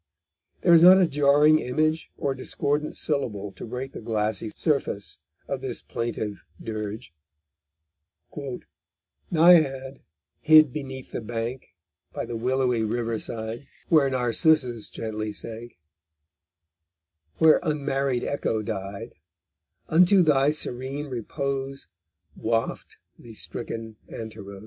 There is not a jarring image or discordant syllable to break the glassy surface of this plaintive Dirge: _Naiad, hid beneath the bank By the willowy river side, Where Narcissus gently sank, Where unmarried Echo died, Unto thy serene repose Waft the stricken Anterôs.